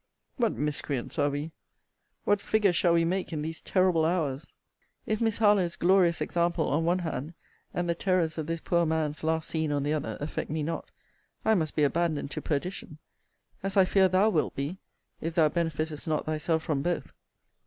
What miscreants are we! What figures shall we make in these terrible hours! If Miss HARLOWE'S glorious example, on one hand, and the terrors of this poor man's last scene on the other, affect me not, I must be abandoned to perdition; as I fear thou wilt be, if thou benefittest not thyself from both.